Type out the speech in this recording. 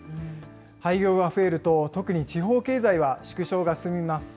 廃業が増えると、特に地方経済は縮小が進みます。